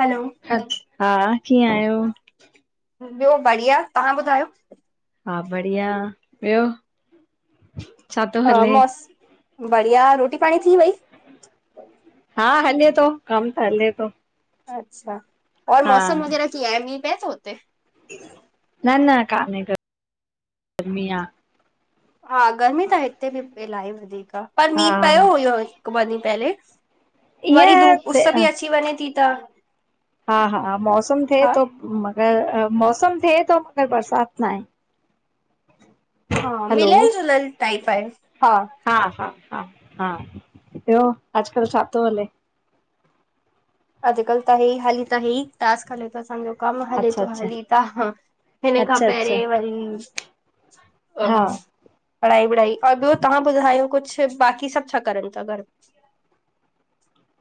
हलो, ह हा, कीअं आहियो? ॿियो बढ़िया, तव्हां ॿुधायो? हा बढ़िया, ॿियो? छा थो हा हले? मस्त, बढ़िया रोटी पाणी थी वई? हा हले तो कम त हले तो, अच्छा, और मौसम वग़ैरा कीअं आहे, मींह पए‌ तो उते? न -न कान्हे को गर्मी आ, हा गर्मी त हिते बि इलाही वधीक आ, पर हा मींहुं पियो हुयो हिकु ॿ ॾींहुं पहले, वरी ईअं धूप थे उस बि अची वञे ती त हा -हा मौसम थे हा तो मगर मौसम थे तो मगर बरसात नाहे। हा, हलो मिलियल जुलियल टाइप आहे हा। हा- हा -हा -हा, ॿियो अॼुकल्ह छा तो हले? अॼुकल्ह त हे ई हाली त हे ई टास्क हले तो असांजो। कम हले अच्छा तो अच्छा हली त, हिन खां अच्छा अच्छा पहिरें वरी हा पढ़ाई -वढ़ाई और ॿियो तव्हां ॿुधायो कुछ बाक़ी सभु छा करनि ता घर?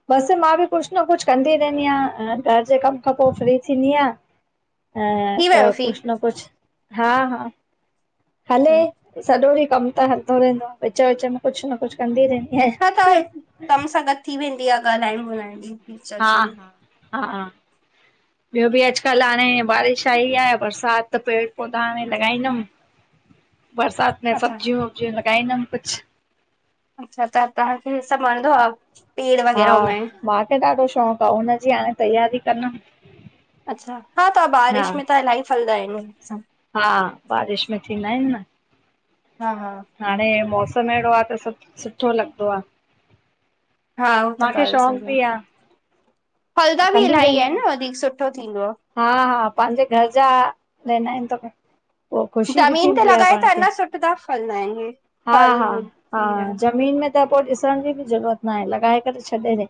बसि मां बि कुछ न कुछ कंदी रहंदी आं, घर जे कम खां पो फ्री थींदी आं। ऐं थी त वियो फी कुछ न कुछ, हा -हा, हले अच्छा, सॼो ॾींहुं कमु त हलदो रहंदो आ विच- विच में, कुछ न कुछ कंदी रहंदी हा त आयां, कम सां गॾु थी वेंदी आहे ॻाल्हाइण ॿोलाइण जी हा- चर्च में हा। हा ॿियो बि अॼुकल्ह हाणे बारिश आई आहे, बरसात पेड़ पौधा हाणे लॻाईंदमि, बरसात में अच्छा सब्जियूं- वब्जियूं लॻाईंदमि कुछ, अच्छा त तव्हांखे सभु वणंदो आ? हा, मांखे ॾाढो शौक़ु आ, हुनजी हाणे तैयारी कंदम, अच्छा, हा त बारिश में त इलाही फलदाइन। हा, बारिश में थींदाइन न। हा -हा। हाणे मौसम अहिड़ो आ त सब सुठो लॻंदो आ। हा उ त ॻाल्ह शौक़ सही आ, बि आहे। फलदा त बि कंदी इलाही रहंदी आहिन आहियां। न वधीक सुठो थींदो आ। हा -हा पांहिंजे घर जा रहंदाइन त पो ज़मीन ते लॻाए त अञा सुठ दा फलंदाइन हे, हा हा हा ज़मीन में। त पोइ ॾिसण जी बि ज़रूरत न आहे लॻाए करे छॾे ड़े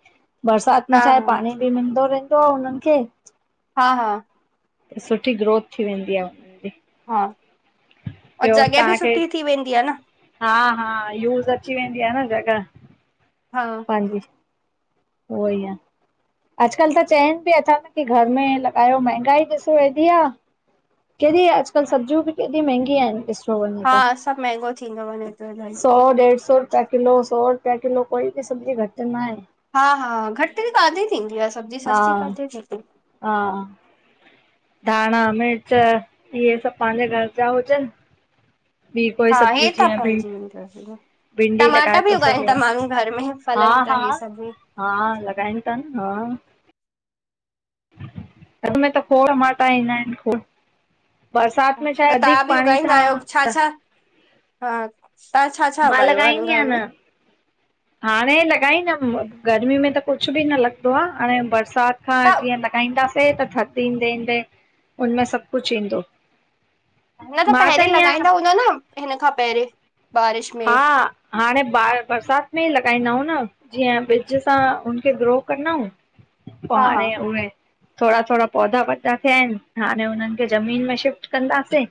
बरसात में हा छा आहे हा पाणी। बी मिलंदो रहंदो आहे हुनननि खे हा हा सुठी ग्रोथ थी वेंदी आहे हुन जी। हा ओ ॿियो जॻह बि तव्हांखे सुठी थी वेंदी आहे न। हा हा यूज़ अंची वेंदी आहे न जॻह। हा हांजी उहो ई आहे अॼुकल्ह त चवनि बि अथ की घर में लॻायो महांगाई ॾिसो ऐड़ी आहे केॾी अॼकल्ह सबजियूं बि केॾी महांगि आहिन तू वञ हा हिता सभु महांगो थींदो वञे थो इलाही सौ डेढ सौ रुपिया किलो सौ रुपिया किलो कोई बि सब्जी घटि न आहे। हा हा घट त काथे थींदी आहे सब्जी सस्ती किथे थींदी। हां धाणा मिर्च इहे सभु पंहिंजे घर जा हुजन। बि कोई हा सब्जी हे त जीअं बि फलजी वेंदो भिंडी टमाटा लॻाए बि थो उगाइनि संगे था माण्हू घर में हा फलनि था हा हे सभ बि हा लॻाइनि था न हा घर में त खोड़ टमाटा ईंदा आहिन खोड़ बरसाति में छा त आहे तव्हां वधीक बि पाणी उगाईंदा सां आहियो छा छा हा तव्हां छा छा मां उगायो आहे हन लॻाईंदी आहियां घर न में? हाणे लॻाईंदम गर्मी में त कुझु बि न लॻंदो आहे हाणे बरसात बरसात खां त जीअं लॻाईंदासीं त थध ईंदे ईंदे हुनमें सभु कुझु ईंदो। न त मां पहिरें ईअं लगॻाईंदा हूंदा न हिन खां पहिरीें बारिश में हा हाणे बा बरसात में ई लॻाईंदाऊयूं न। जीअं बिज सां हुनखे ग्रो कदांऊं पोइ हा हा हाणे उहे थोरा थोरा पौधा वॾा थिया आहिन हाणे हुननि खे ज़मीन में शिफ्ट कंदासीं।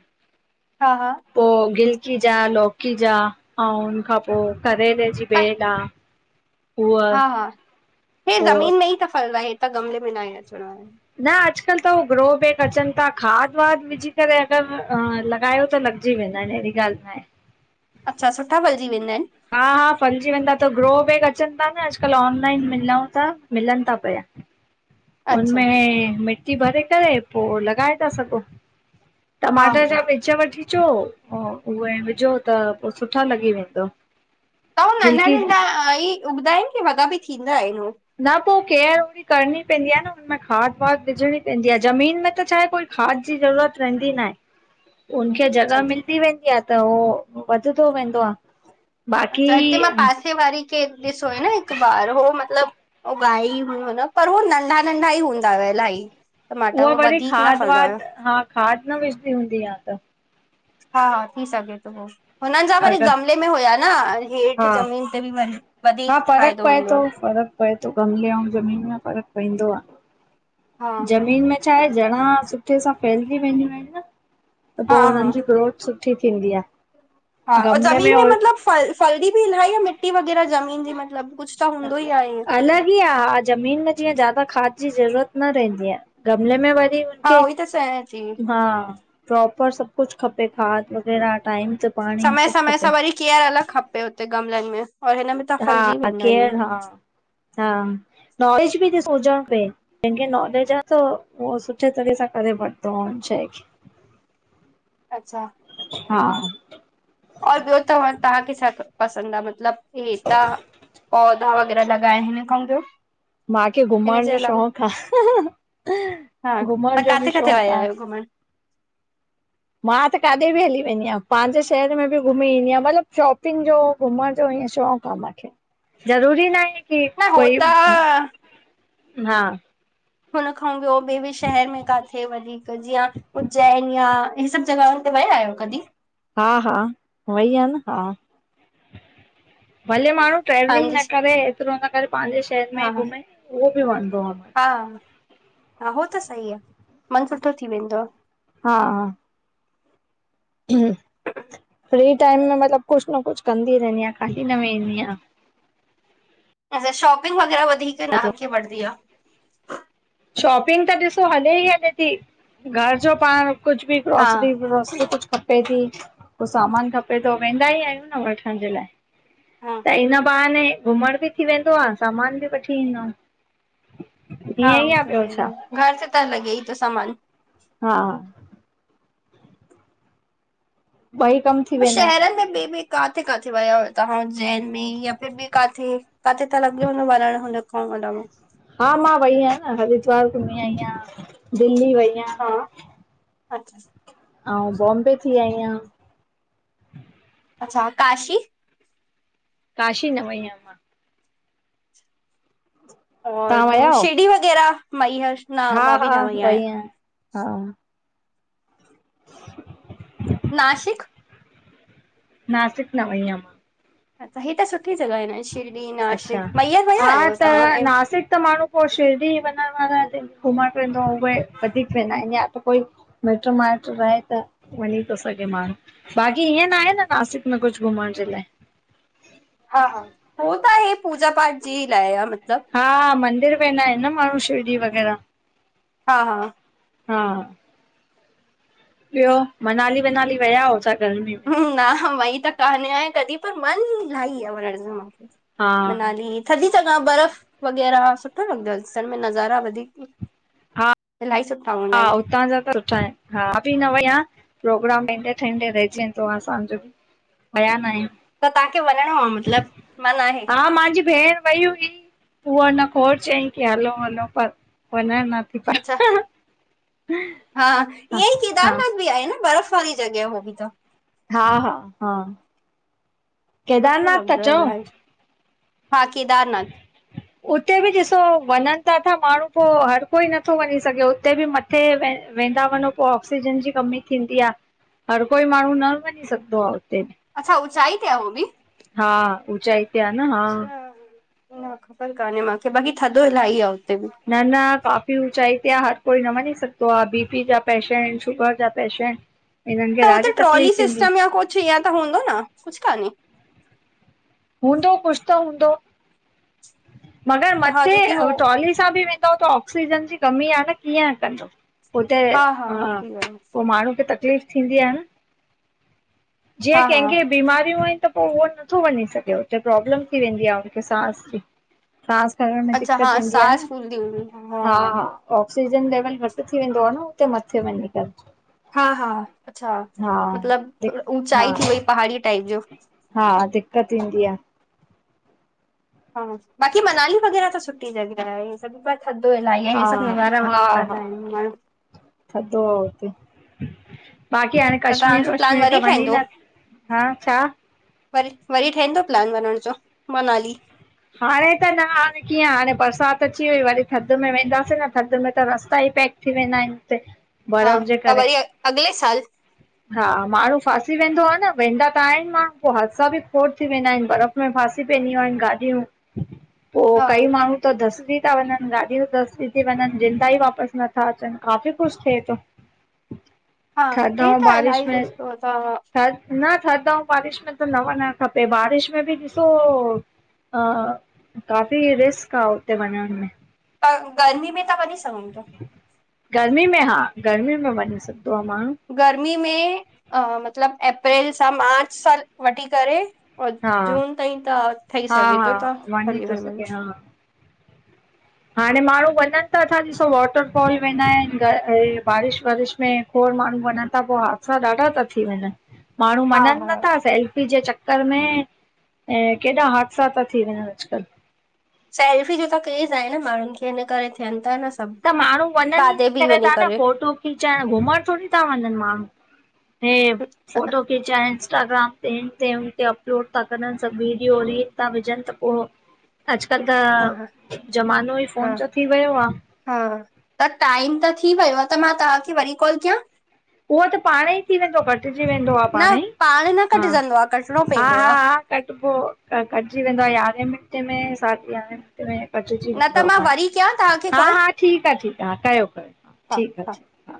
हा हा पो गिलकी जा लौकी जा ऐं हुन खां पोइ करेले जी त भेल आहे- हुव हेे ज़मीन में ई त फल र ह हे त गमले में न आहे अचदा न अॼुकल्ह त हो ग्रो बेक अचन था खाद वाद विझी करे अगर लॻायो त लगदा जी वेंदा आहेन अहिड़ी ॻालहि न आहे। अच्छा सुठा पलिजी वेंदा आहिन? हा हा फलिजी वेंदा त ग्रो बग अचनि था न अॼुकल्ह ऑनलाइन मिलूं था मिलनि था पिया। [inaudible] अच्छा हुनमें मिटी भरे करे पोइ लॻाए था संघो हा टमाटर हा जा बीज वठी अचो उहे विझो त पोइ सुठा लॻी वेंदो व। त हू नंढा नंढा ई उगंदा आहिन की वडा बि थींदा आहिन हू? न पोइ केयर ओडी करणी पवंदी आहे न हुनमें खाद वाद विझणी पवंदी आहे ज़मीन में त छाहे कोई खाद जी ज़रूरत वेंदी न आहे। [inaudible] हुनखे अच्छा जॻह मिलदी वेंदी आ त हो वधंदो वेंदो आ। अच्छा, हिते मां पासे वारी खेे ॾिसो ओ न हिकु बार हो मतिलब उगाई हुन पर हू नंढा नंढा ई हूंदा हुआ इलाही। टमाटा उहा हो वरी वधीक न खाद फलंदा हुया वाद हा खाद न विझदी हूंदी यां त। हा थी सघे थो, हुननि जा अ वरी गमले में हुया न हा हेठि ज़मीन तिन वन हा फ़रक़ पए थो, फ़रक पए थो गमले अउं ज़मीन में फ़र्क पइंदो आ, हा ज़मीन में छाहे जणा सुठे सां फैलजी वेंदियूं आहिनि न त हा पो हुननि हा जी ग्रोथ सुठ ठी थींदी आ। हा ज़मीन में मतलब फल फलदी बि इलाही आ मिटी वग़ैरह ज़मीन जी मतिलबु कुछ अलग इ आ ज़मीन में जीअं ज्यादा खाद जी ज़रूरत न रहंदी आ, गमले में वर री हा हुनखे उहोई त चयां थी हा प्रोपर सबु कुछ खपे खाद वग़ैरह टाइम ते पाणी समय सभु समय सां खपे वरी केअर अलॻि खपे हुते गमलनि में और हिन में त फलजी हा वेंदा आहिनि केयर हा हा नॉलेज बि ॾिसो हुजण खपे। जंहिंखे नॉलेज आ त उहो सुठे तरह सां करे वठंदो आ शइ खे। अच्छा। हा। और ॿियो तव तव्हांखे छा पसंदि आ मतिलब हे ता पौधा वग़ैरा लॻाइन हिन खउं जो मांखे घुमण जो शौक़ु आ, हं‌ हं हं हा, तवां काथे काथे वया आहे आहियो घुमण? मां त काॾे बि हली वेंदी आहियां, पाहिंजे शहर में बि घुमी ईंदी आयां, मतिलबु शॉप पिंग जो, घुमण जो, इयं शौक़ु आ मांखे, ज़रूरी न आहे कि न हो कोई त हा हुन खां ॿियो बि शहर में काथे वरी कजे आ, जीअं उज्जैन या हे सबु जगहुनि ते वया आहियो? कॾहिं हा हा वई आं न हा। भले माण्हू ट्रेवलिंग पंहिंजे न करे एतिरो न करे पांहिंजे शहर में हा ही हा घुमे उहो बि वणंदो आ। हा। हा हो त सही आ मन सुठो थी वेंदो आ। हा। हम्म। फ्री टाइम में मतिलबु कुछ न कुछ कंदी रहंदी आं, खाली न वेंदी आं। अच्छा शॉपिंग वगैरह वधीक तव्हांखे वढदी आ। शॉपिंग त ॾिसो हले ई हले थी घर जो पाण कुछ बि हा ग्रोसरी व्रोसरी कुछ खपे थी, पो सामानु खपे थो वेंदा ई आहियूं न वठण जे लाइ। हा त हिन बहाने घुमण बि थी वेंदो आ, सामान बि वठी ईंदम। हा ईअं ई हो आ। घर जो त लॻे ई तो सामान। हा। ॿई कम थी वेंदा आहिनि शहरनि में ॿे बि काथे काथे वयव तवां उज्जैन में या ॿे बि काथे? काथे त लॻयो न वरण हूंनखउं मतलब हा मां वई आहियां न हरिद्वार घुमी आई आयां, दिल्ली वई आयां। हा अच्छा अउं बॉम्बे थी आईयां। अच्छा काशी? काशी न वईं आं। और तव्हां ॿियो शिरडी वग़ैरह मईहर। हा-हा वई आं हा। नाशिक? नासिक न वईयां मां। अ्छा हे त सुठी जॻह ए ना शिरडी नाशिक मैहर वया आहियो तव्हां एम सित माण्हू पो शिरडी वंञंण वारा दि घुमण वेंदो उहे अधिक वेंदा आहिनि या त कोई मिट्र माइट्र रहे त वंञीं तो सघे माण्हू। बाक़ी ईंय ना हे न नासिक में कुछु घुमणं ॼे लाए। हा-हा हो त हे पूॼा पाठ ॼी लाए आ मतिलबु हा मंदिर वेंदा इनि न माण्हूं शिरडी वग़ैरह। हा-हा हा ॿियो मनाली-वनाली वया हो छा गर्मीअ में? न ह वई त कन्हियां कॾीहिं पर, मन इल्हाई आ वंञण ॼो माखे हा मनाली थंदी जॻा बर्फ वगै़रह सुठो लॻंदो आ, ॾिसण में नज़ारा वधीक हा इल्हाई सुठाऊं हा उतां जा त चाएं हा मां ॿि न वई आं प्रोग्राम ठहिन्दे-ठहिन्दे रहिॼी वेंदो असांॼो ॿि। त तव्हांखे वञिणो आहे मतिलबु मन आहे [unintelligible] हा मांजी भेंण वई हुई। उहो हुन खोड़ चयईं कि हलो- हलो पर वंञंणु न थी अच्छा पायो हा हा ईअं ई हा केदारनाथ ॿि आहे न बर्फ वारी जॻह हो ॿि त। हा-हा-हा सुठो केदारनाथ था लॻंदो आहे चओ? इलाही हा केदारनाथ उते ॿि ॾिसो वंञंनि त अथा माण्हूं पो हर कोई नत्थो वंञीं सघे उते ॿि म थे व वेंदा वंनो पो ऑक्सीजन ॼी कमी थींदी आ, हर कोई माण्हूं न वंञीं सघदो आ उते ॿि। अच्छा ऊंचाई ते आ हो ॿि? हा ऊंचाई अच्छा न ख़बर कान्हे माखे ॿाक़ी थद्दो इलाही आ हुते ॿि। न-न काफ़ी ऊचाई ते हर कोई न वंञीं सघदो आ, ॿीपी ॼा पैशेंट शुगर ॼा पैशेंट हिनन खे ॾाढी तकलीफ़ थीदी ठीयल त हूंदो न कुछु कान्हे? हूंदो कुछु त हूंदो मगर हा मत्थे जो की हो ट्राली कित्थां ॿि वेंदव त ऑक्सीजन ॼी कमी आ न कीअं कंदो। हुते हा हो बि आहे पो माण्हूँ खे तकलीफ़ थींदी आ न। ॼेंह हा हा कहिंखे बीमारियूं आहिनि त पो उहो नत्थो वंञीं सघे उते प्रॉब्लम थी वेंदी आ उनखे सांस ॼी। सांस खंएण में अच्छा हा दिक्कत थींदी आ सांस न, फूलदी हूंदी हा हा-हा ऑक्सीजन लेवल घटि थी वेंदो आ न उते मथे वंञीं करे। हा- हा अच्छा हा मतिलबु दिक थोड़ हा ऊचाई थी वई पहाड़ीअ टाइप ॼो हा दिक्क़त ईंदी आ। हा बाक़ी मनाली वगैरह त सुठी ॼॻह आहे हे सभु पर थदो इल्हाई आ हे हा सभु नज़ारां [unintelligible] दा आहिन माण्हू। थदो आ हुते ॿाक़ी हांणें त कश्मीर तव्हांजो प्लान वश्मीर वरी त वंञीं ठहंदो न हा छा वरी -वरी ठहिंदो प्लान वंञंण ॼो मनाली? हांणें त न हांणें कीअं हांणें बरसाति अची वई वरी थधि में वेंदासीं न थधि में त रस्ता ई पैक थी वेंदा आहिन हुते हा बर्फ़ जे त करे। वरी अॻिले [inaudible] हा माण्हू फासी वेंदो आ न, वेंदा त आहिन माण्हू पोइ हादसा बि खोड़ थी वेंदा आहिन। बर्फ में फासी पेंदि आहिन गाॾियूं पो हा कई माण्हू, हूते धसजी था वञन, गाॾी धसजी थी वञन, ज़िंदा ई वापसि नथा अचनि, काफ़ी कुछ थिए थो। हा, थधि हे ऐं त बारिश इलाहि में कुझु तो। हा थधि न, थधि अऊं बारिश में त न वञणु खपे। बारिश में बि ॾिसो हां, काफ़ी रिसक आ हुते वञण में। पर, गर्मी में त वञी सघूं था। गर्मी में! हा, गर्मी में वञी सघंदो आ माण्हू। गर्मी में, अ, मतलब अप्रैल सां मार्च सां वठी करे। हा जून ताईं त ठहि हा सघे थो, हा त, वञी हली थो वञे माण्हू। सघे हा हाणे माण्हू वञनि था, त ॾिसो वॉटरफॉल वेंदा आहिन, बारिश वरिश में। माण्हू वञनि था, पो हादसा ॾाढा तां थी वञनि। माण्हू हा मञनि हा नथा सेल्फि जे चक्कर में। पल में केॾा हादसा ता थी वञण अॼु कल्ह। सेल्फी जो त क्रेज़ आहे न माण्हुनि खे, हिन करे थियन था न। सभु त माण्हू वञनि ही काथे हिन बि करे वञी ता न फोटू खीचण, घुमण थोडी़ था वञनि माण्हू। हे फोटो। हे छाहे इंस्टाग्राम ते, हिन ते, हुन ते, अपलोड ता करनि सभी वीडियो रील था विझनि त पो। [inaudible] अॼु कल्ह हा हा त ज़मानो हि फ़ोन जो थी वयो आ। हां, त टाइम त थी वयो आ, त मां तहां खे वरी कॉल कयां? उहो त पाण ही थी वेंदो, कटिजी वेंदो आ न पाण ही, पाण न हा कटजंदो आहे कटणो हा पवंदो हा आहे हा। कटबो, कटजी वेंदो आ यारहें मिन्ट में साधि यारहें मिन्टें मे। कटजी न वेंदो त आहे मां पाण ही, वरी कयां तव्हांखे हा कॉल हा ठीकु आ ठीकु आ कयो कयो, हा ठीक आ हा ठीक आ। हा